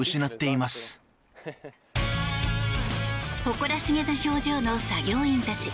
誇らしげな表情の作業員たち。